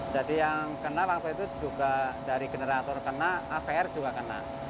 jadi yang kena waktu itu juga dari generator kena apr juga kena